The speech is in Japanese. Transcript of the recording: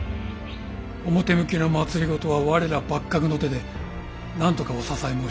表向きの政は我ら幕閣の手でなんとかお支え申し上げましょう。